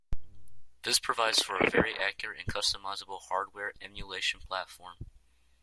This provides for a very accurate and customizable hardware emulation platform.